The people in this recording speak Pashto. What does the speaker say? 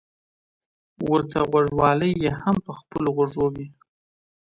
ورته غوږوالۍ يې هم په خپلو غوږو وې.